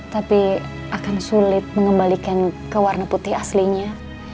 tapi akan sulit mengembalikan ke warna putih aslinya